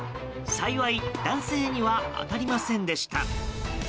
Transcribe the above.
幸い、男性には当たりませんでした。